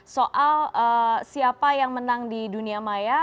soal siapa yang menang di dunia maya